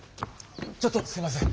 ちょっとすいません。